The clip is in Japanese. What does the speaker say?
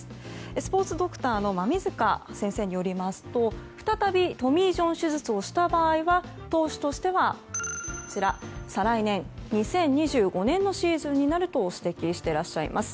スポーツドクターの馬見塚先生によりますと再びトミー・ジョン手術をした場合は投手としては再来年２０２５年のシーズンになるというふうに指摘してらっしゃいます。